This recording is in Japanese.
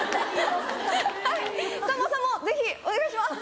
さんまさんもぜひお願いします！